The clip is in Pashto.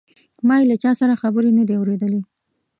ما یې له چا سره خبرې نه دي اوریدلې.